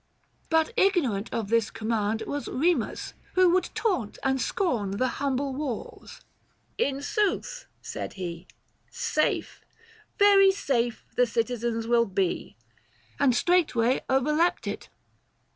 But ignorant Of this command was Kemus, who would taunt, And scorn the humble walls. "In sooth," said he, 975 " Safe, very safe, the citizens will be ;" And straightway overleapt it.